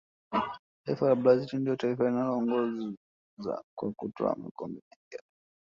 taifa la brazil ndiyo taifa linaloongoza kwa kutwaa makombe mengi ya dunia